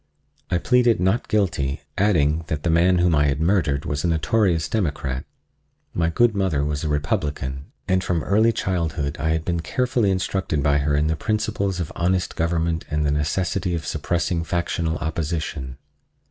I pleaded not guilty, adding that the man whom I had murdered was a notorious Democrat. (My good mother was a Republican, and from early childhood I had been carefully instructed by her in the principles of honest government and the necessity of suppressing factional opposition.)